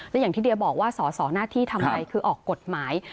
และอย่างที่เดียบอกว่าสอสอหน้าที่ทำอะไรคือออกกฎหมาย